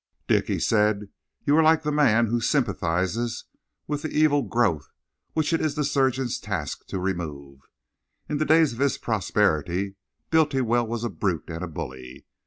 "Dick," he said, "you are like the man who sympathises with the evil growth which it is the surgeon's task to remove. In the days of his prosperity, Bultiwell was a brute and a bully.